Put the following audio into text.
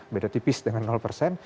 beda tipis dengan persen